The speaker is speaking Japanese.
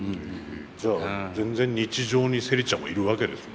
じゃあ全然日常にセリちゃんはいるわけですね。